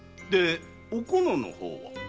でおこのの方は？